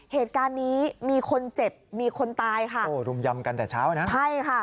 เหตุการณ์นี้มีคนเจ็บมีคนตายค่ะโอ้รุมยำกันแต่เช้านะใช่ค่ะ